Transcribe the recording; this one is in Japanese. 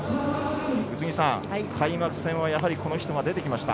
宇津木さん、開幕戦はやはりこの人が出てきました。